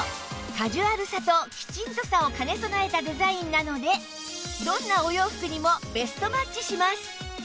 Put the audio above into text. カジュアルさとキチンとさを兼ね備えたデザインなのでどんなお洋服にもベストマッチします